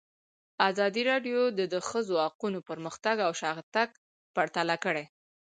ازادي راډیو د د ښځو حقونه پرمختګ او شاتګ پرتله کړی.